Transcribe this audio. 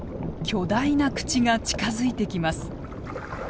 巨大な口が近づいてきます。